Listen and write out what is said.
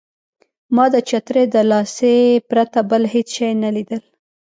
ما د چترۍ د لاسۍ پرته بل هېڅ شی نه لیدل.